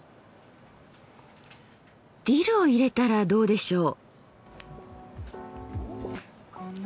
ディルを入れたらどうでしょう？